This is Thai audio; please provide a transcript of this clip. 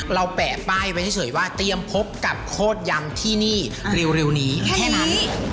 แปะป้ายไว้เฉยว่าเตรียมพบกับโคตรยำที่นี่เร็วนี้แค่นั้น